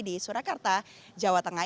di surakarta jawa tengah